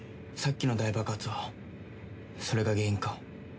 さっきの大爆発はそれが原因か？